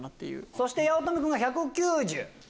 そして八乙女君が１９０。